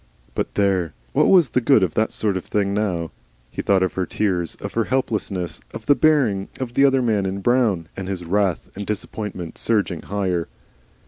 But there! what WAS the good of that sort of thing now? He thought of her tears, of her helplessness, of the bearing of the other man in brown, and his wrath and disappointment surged higher.